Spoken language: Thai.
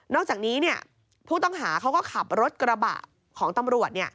อกจากนี้ผู้ต้องหาเขาก็ขับรถกระบะของตำรวจ